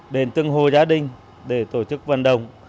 đến từng hồ gia đình để tổ chức vận động